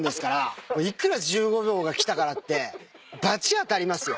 いくら１５秒がきたからって罰当たりますよ